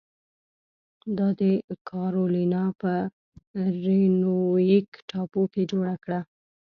دا د کارولینا په ریونویک ټاپو کې جوړه کړه.